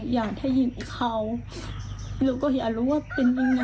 อยากได้ยินเขาหนูก็อยากรู้ว่าเป็นยังไง